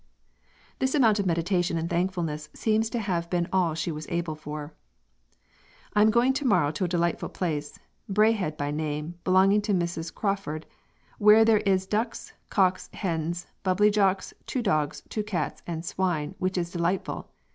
This amount of meditation and thankfulness seems to have been all she was able for. "I am going to morrow to a delightfull place, Braehead by name, belonging to Mrs. Crraford, where there is ducks cocks hens bubblyjocks 2 dogs 2 cats and swine which is delightful.